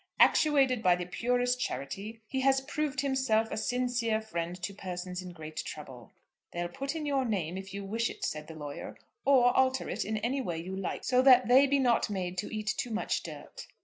Actuated by the purest charity he has proved himself a sincere friend to persons in great trouble." "They'll put in your name if you wish it," said the lawyer, "or alter it in any way you like, so that they be not made to eat too much dirt."